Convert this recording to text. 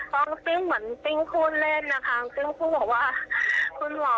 เพราะจริงเหมือนจริงพูดเล่นอ่ะค่ะจริงพูดบอกว่าคุณหมอ